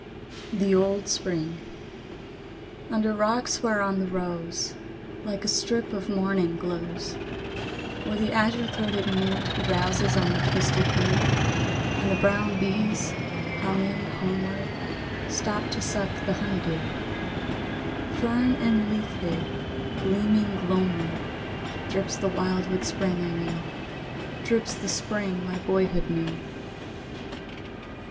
THE OLD SPRING I. Under rocks whereon the rose, Like a strip of morning, glows; Where the azure throated newt Drowses on the twisted root; And the brown bees, humming homeward, Stop to suck the honey dew; Fern and leaf hid, gleaming gloamward, Drips the wildwood spring I knew, Drips the spring my boyhood knew.